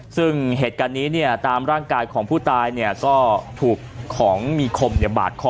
ซึ่งเหตุการณ์นี้เนี่ยตามร่างกายของผู้ตายเนี่ยก็ถูกของมีคมบาดคอ